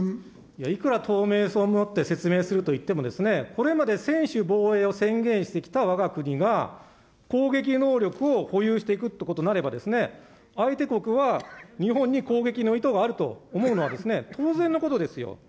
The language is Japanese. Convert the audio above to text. いや、いくら透明性をもって説明すると言っても、これまで専守防衛を宣言してきたわが国が、攻撃能力を保有していくということになれば、相手国は日本に攻撃の意図があると思うのは当然のことですよ。